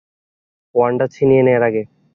Wanda ছিনিয়ে নেয়ার আগে।